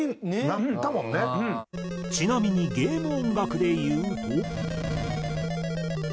ちなみにゲーム音楽でいうと。